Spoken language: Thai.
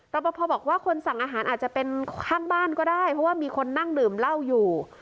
ปภบอกว่าคนสั่งอาหารอาจจะเป็นข้างบ้านก็ได้เพราะว่ามีคนนั่งดื่มเหล้าอยู่